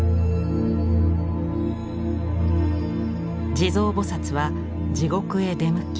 地蔵菩は地獄へ出向き